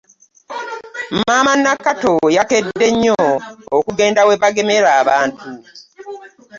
Maama Nakato yakedde nnyo okugenda we bagemera abantu.